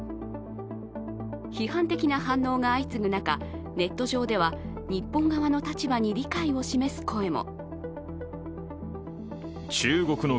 批判的な反応が相次ぐ中、ネット上では日本側の立場に理解を示す声も。